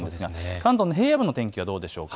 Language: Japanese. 関東の平野部の天気はどうでしょうか。